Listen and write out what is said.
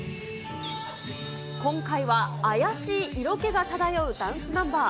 今回は妖しい色気が漂うダンスナンバー。